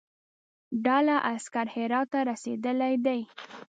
ډله عسکر هرات ته رسېدلی دي.